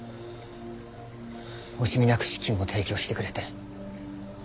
惜しみなく資金も提供してくれて。